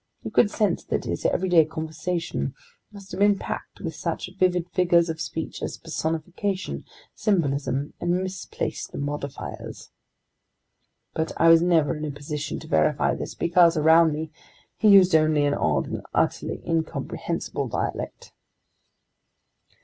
You could sense that his everyday conversation must have been packed with such vivid figures of speech as personification, symbolism, and misplaced modifiers. But I was never in a position to verify this because, around me, he used only an odd and utterly incomprehensible dialect.